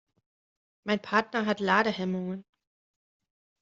Mein Partner hat Ladehemmungen.